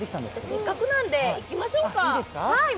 せっかくなので行きましょうか。